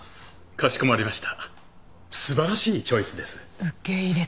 かしこまりました。